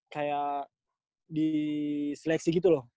kayak di seleksi gitu loh